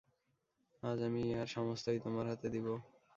আজ আমি ইহার সমস্তই তোমার হাতে দিব।